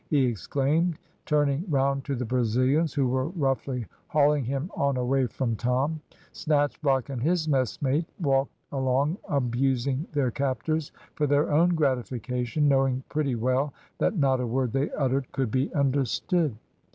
he exclaimed, turning round to the Brazilians, who were roughly hauling him on away from Tom. Snatchblock and his messmate walked along, abusing their captors for their own gratification, knowing pretty well that not a word they uttered could be understood.